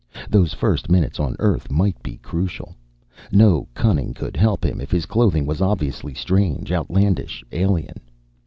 Those first minutes on Earth might be crucial. No cunning could help him if his clothing was obviously strange, outlandish, alien.